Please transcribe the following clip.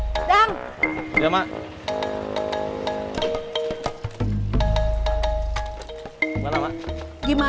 ketika saya berada di rumah